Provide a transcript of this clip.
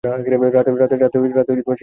রাতে সে আর ফিরে এল না।